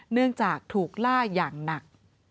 เนื่องจากถูกล่าอย่างหนัก